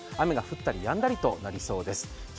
雨が降ったりやんだりとなりそうです。